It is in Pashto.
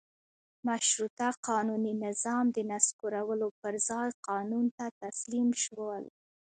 مشروطه قانوني نظام د نسکورولو پر ځای قانون ته تسلیم شول.